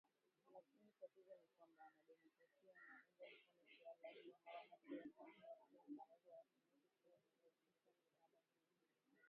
Lakini, tatizo ni kwamba wademokrasia wanaounga mkono suala hilo hawana kura sitini kwenye Baraza la Seneti kuweza kupitisha mswada kama huo